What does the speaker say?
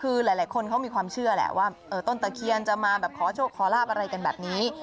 คือหลายคนเขามีความเชื่อแหละว่าต้นตะเคียนจะมาแบบขอโชคขอลาบอะไรกันแบบนี้